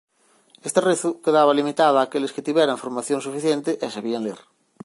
Este rezo quedaba limitado a aqueles que tiveran formación suficiente e sabían ler.